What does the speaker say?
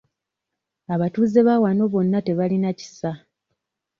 Abatuuze ba wano bonna tebalina kisa.